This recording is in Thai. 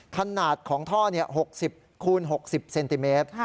ขนาดของท่อ๖๐คูณ๖๐เซนติเมตร